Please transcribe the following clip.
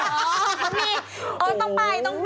อ๋อไม่มี